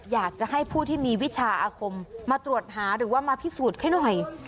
อยากจะให้ผู้ที่มีวิชาอาคมมาตรวจหาหรือว่ามาพิสูจน์ให้หน่อย